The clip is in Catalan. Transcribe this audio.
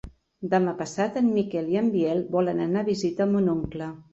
Demà passat en Miquel i en Biel volen anar a visitar mon oncle.